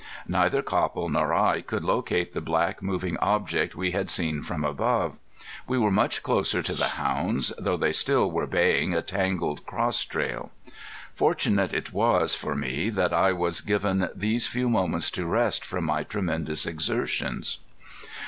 Neither Copple nor I could locate the black moving object we had seen from above. We were much closer to the hounds, though they still were baying a tangled cross trail. Fortunate it was for me that I was given these few moments to rest from my tremendous exertions.